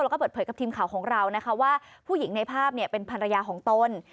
แล้วก็เปิดเผยกับทีมข่าวของเรานะคะว่าผู้หญิงในภาพเป็นภรรยาของตน